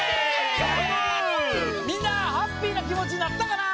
みんなハッピーなきもちになったかな？